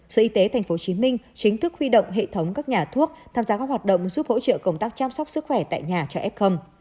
sở y tế tp hcm chính thức huy động hệ thống các nhà thuốc tham gia các hoạt động giúp hỗ trợ công tác chăm sóc sức khỏe tại nhà cho f